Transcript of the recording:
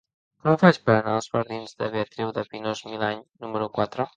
Com ho faig per anar als jardins de Beatriu de Pinós-Milany número quatre?